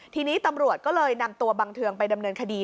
ทีนี้ตำรวจก็เลยนำตัวบังเทืองไปดำเนินคดี